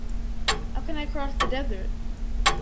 How can I cross the desert?